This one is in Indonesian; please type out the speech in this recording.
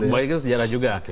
baik itu sejarah juga